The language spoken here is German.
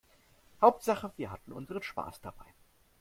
Hauptsache wir hatten unseren Spaß dabei.